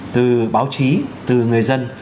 từ báo chí từ người dân